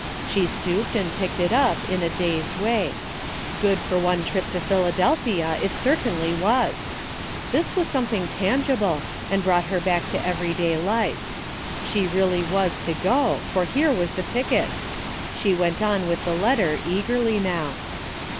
She stooped and picked it up in a dazed way. Good for one trip to Philadelphia it L«rc. 100 DAILY BATE. certainly was. This was something tangible and brought her back to everyday life. She really was to go, for here was the ticket. She went on with the letter eagerly now.